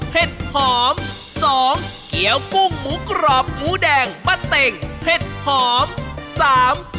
เห็ดหอมสองเกี้ยวกุ้งหมูกรอบหมูแดงมะเต็งเห็ดหอมสาม